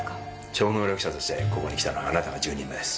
超能力者としてここに来たのはあなたが１０人目です。